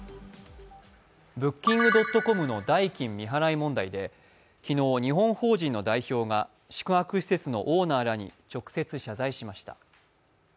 Ｂｏｏｋｉｎｇ．ｃｏｍの代金未払い問題で、日本法人の代表が宿泊施設のオーナーらに直接謝罪しました。